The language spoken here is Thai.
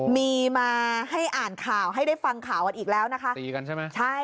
มีมาให้อ่านข่าวให้ได้ฟังข่าวอันอีกแล้วนะคะ